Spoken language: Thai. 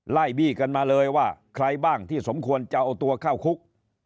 บี้กันมาเลยว่าใครบ้างที่สมควรจะเอาตัวเข้าคุก